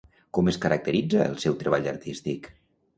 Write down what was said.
Com es caracteritza el seu treball artístic?